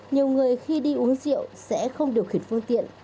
nhiều người khi đi uống rượu sẽ không điều khiển phương tiện